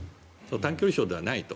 短距離走ではないと。